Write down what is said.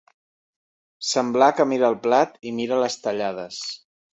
Semblar que mira el plat i mira les tallades.